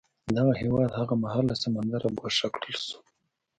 دغه هېواد هغه مهال له سمندره ګوښه کړل شو.